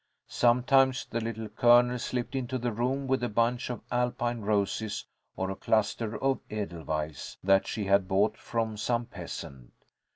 Sometimes the Little Colonel slipped into the room with a bunch of Alpine roses or a cluster of edelweiss that she had bought from some peasant.